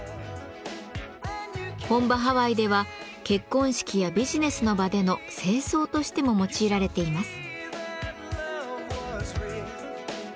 本場ハワイでは結婚式やビジネスの場での正装としても用いられています。